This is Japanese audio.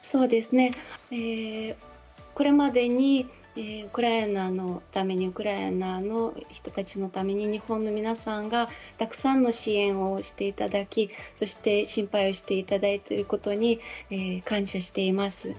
これまでにウクライナのためにウクライナの人たちのために日本の皆さんがたくさんの支援をしていただきそして心配をしていただいていることに感謝しています。